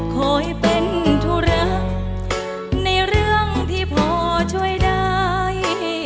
คอยเป็นธุระในเรื่องที่พอช่วยได้